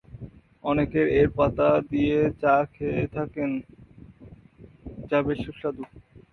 অনেকে এর পাতা দিয়ে চা খেয়ে থাকেন, যা বেশ সুস্বাদু।